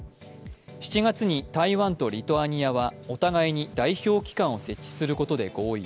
７月に台湾とリトアニアはお互いに代表機関を設置することで合意。